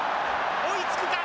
追いつくか？